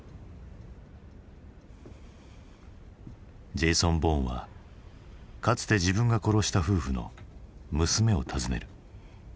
ジェイソン・ボーンはかつて自分が殺した夫婦の娘を訪ねる。